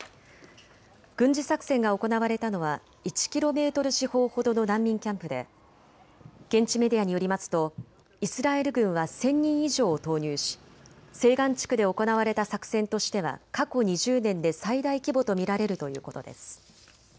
軍事作戦が行われたのは１キロメートル四方ほどの難民キャンプで現地メディアによりますとイスラエル軍は１０００人以上を投入し西岸地区で行われた作戦としては過去２０年で最大規模と見られるということです。